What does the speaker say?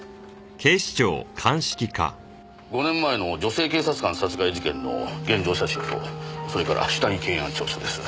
５年前の女性警察官殺害事件の現場写真とそれから死体検案調書です。